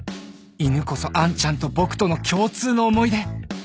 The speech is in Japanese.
犬こそ杏ちゃんと僕との共通の思い出